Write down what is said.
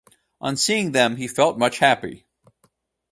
On seeing them he felt much happy.